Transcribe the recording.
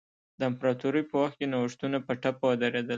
د امپراتورۍ په وخت کې نوښتونه په ټپه ودرېدل.